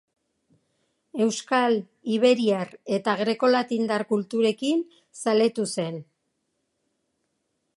Euskal, iberiar eta greko-latindar kulturekin zaletu zen.